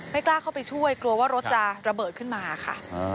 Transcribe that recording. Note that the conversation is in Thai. กล้าเข้าไปช่วยกลัวว่ารถจะระเบิดขึ้นมาค่ะ